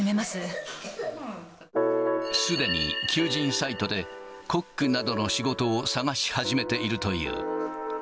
すでに求人サイトで、コックなどの仕事を探し始めているという。